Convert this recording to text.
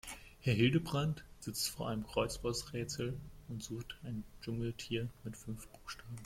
Herr Hildebrand sitzt vor einem Kreuzworträtsel und sucht ein Dschungeltier mit fünf Buchstaben.